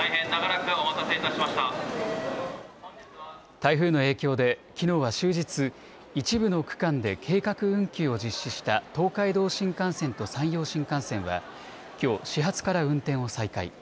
台風の影響できのうは終日、一部の区間で計画運休を実施した東海道新幹線と山陽新幹線はきょう始発から運転を再開。